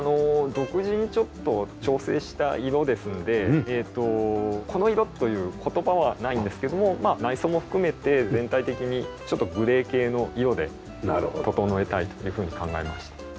独自にちょっと調整した色ですのでこの色という言葉はないんですけどもまあ内装も含めて全体的にグレー系の色で整えたいというふうに考えました。